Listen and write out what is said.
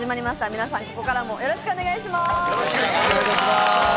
皆さん、ここからもよろしくお願いします。